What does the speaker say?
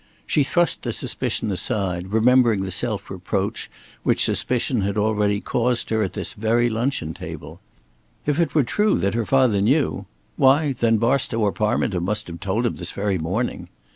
She thrust the suspicion aside, remembering the self reproach which suspicion had already caused her at this very luncheon table. If it were true that her father knew, why then Barstow or Parminter must have told him this very morning.